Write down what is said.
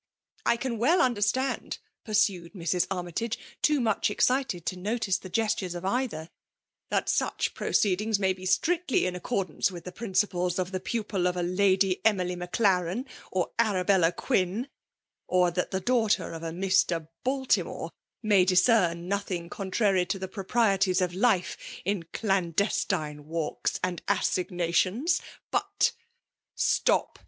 '' I can well understand," — pursued Mrs. Armytage, too much excited to notice the gestures of either, —" that such proceedings may be strictly in accordance with the prin ciples of the pupil of a Lady Emily Maclaren, or ArabeUa Quin, — or that the daughter of a Mr. Baltimore may discern nothing contrary to the proprieties of lifi^ in clandestine walks and assignations; but ''*' Stop